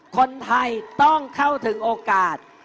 คนไทยต้องเข้าถึงโอกาส